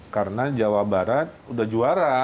karena jawa barat udah juara